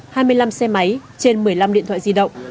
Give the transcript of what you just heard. hai mươi năm xe máy trên một mươi năm điện thoại di động